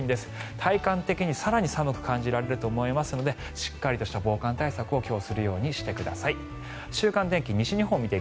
体感的に更に寒く感じられると思いますのでしっかりとした防寒対策を今日はするようにしてください。